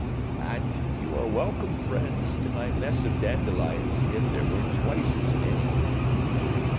And you are welcome, friends, to my mess of dandelions, if there were twice as many!"